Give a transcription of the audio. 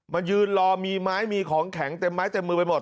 มายืนรอมีไม้มีของแข็งเต็มไม้เต็มมือไปหมด